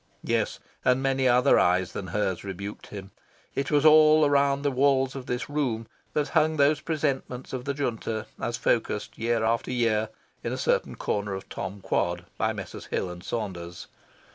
Yes, and many other eyes than hers rebuked him. It was around the walls of this room that hung those presentments of the Junta as focussed, year after year, in a certain corner of Tom Quad, by Messrs. Hills and Saunders.